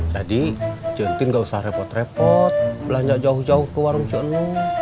jadi cintin gak usah repot repot belanja jauh jauh ke warung cunung